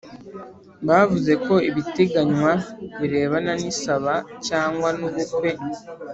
bavuze ko ibiteganywa birebana n isaba cyangwa n ubukwe